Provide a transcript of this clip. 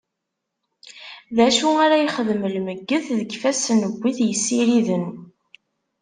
D acu ara yexdem lmeyyet deg ifassen n wi t-yessiriden!